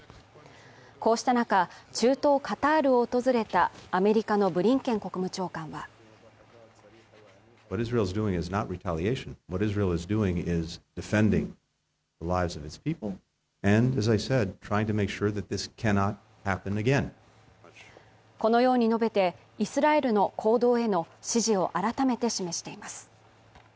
こうした中、中東カタールを訪れたアメリカのブリンケン国務長官はこのように述べてイスラエルの行動への支持を改めて示しています。